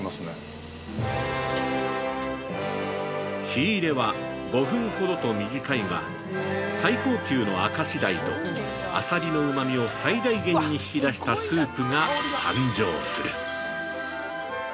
◆火入れは５分ほどと短いが、最高級の明石鯛とアサリのうまみを最大限に引き出したスープが誕生する。